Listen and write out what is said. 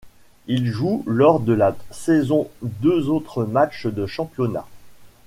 Il joue lors de la saison deux autres matchs de championnat.